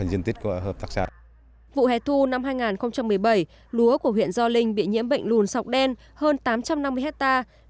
vụ hẻ thu năm hai nghìn một mươi bảy lúa của huyện gio linh bị nhiễm bệnh lùn sọc đen hơn tám trăm năm mươi hectare